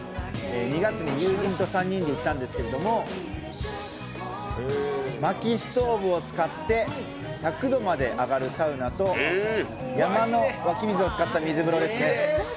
２月に友人と３人で行ったんですけれどもまきストーブを使って１００度まで上がるサウナと山の湧き水を使った水風呂ですね。